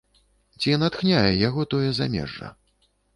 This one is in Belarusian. Ці натхняе яго тое замежжа?